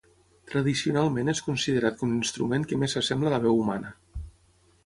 Tradicionalment és considerat com l'instrument que més s'assembla a la veu humana.